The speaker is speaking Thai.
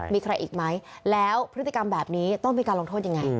มีใครอีกไหมแล้วพฤติกรรมแบบนี้ต้องมีการลงโทษยังไง